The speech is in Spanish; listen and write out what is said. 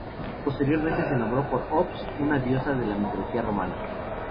Posteriormente se nombró por Ops, una diosa de la mitología romana.